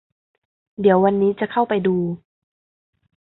เดี๋ยววันนี้จะเข้าไปดู